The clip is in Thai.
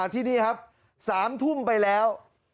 ที่นี่ครับ๓ทุ่มไปแล้ว